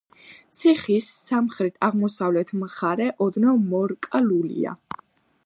ციხის სამხრეთ-აღმოსავლეთ მხარე ოდნავ მორკალულია.